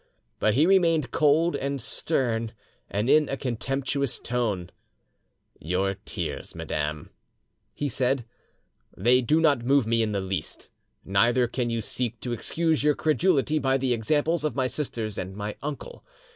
But he remained cold and stern, and in a contemptuous tone— "Your tears, madame," he said; "they do not move me in the least, neither can you seek to excuse your credulity by the examples of my sisters and my uncle.